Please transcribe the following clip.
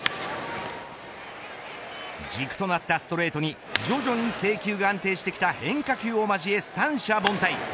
軸となったストレートに徐々に制球が安定してきた変化球を交え三者凡退。